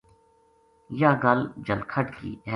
یاہ گل جلکھڈ کی